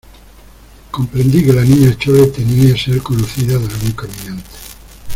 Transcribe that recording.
comprendí que la Niña Chole temía ser conocida de algún caminante